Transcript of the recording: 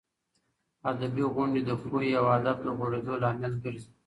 ادبي غونډې د پوهې او ادب د غوړېدو لامل ګرځي.